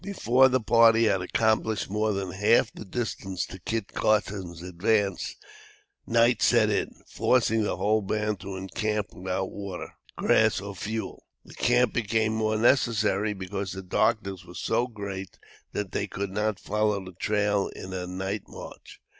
Before the party had accomplished more than half the distance to Kit Carson's advance, night set in, forcing the whole band to encamp without water, grass, or fuel. The camp became more necessary because the darkness was so great that they could not follow the trail in a night march.